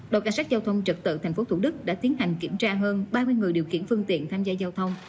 đội cảnh sát giao thông trật tự tp thủ đức đã tiến hành kiểm tra hơn ba mươi người điều khiển phương tiện tham gia giao thông